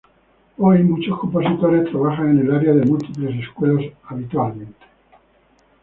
Hoy, muchos compositores trabajan en el área de múltiples escuelas habitualmente.